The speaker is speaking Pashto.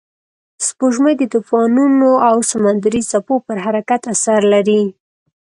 سپوږمۍ د طوفانونو او سمندري څپو پر حرکت اثر لري